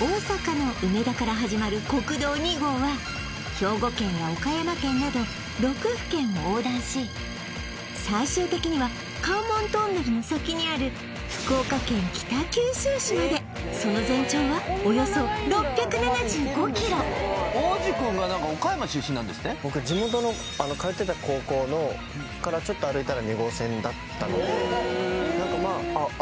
大阪の梅田からはじまる国道２号は兵庫県や岡山県など６府県を横断し最終的には関門トンネルの先にある福岡県北九州市までその全長はおよそ６７５ｋｍ僕地元の通ってた高校からちょっと歩いたら２号線だったので何かまあああ